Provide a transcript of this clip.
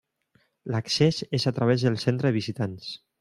L'accés és a través del centre de visitants.